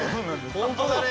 本当だね。